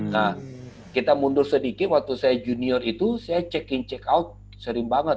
nah kita mundur sedikit waktu saya junior itu saya check in check out sering banget